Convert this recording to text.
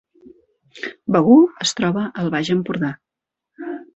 Begur es troba al Baix Empordà